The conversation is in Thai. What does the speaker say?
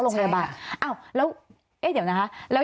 เหมือนศูนย์ฉี่ใช่ไหม